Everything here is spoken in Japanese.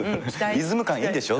「リズム感いいんでしょ？